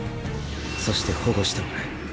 そして保護してもらう。